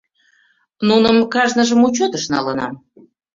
Нуным кажныжым учётыш налынам.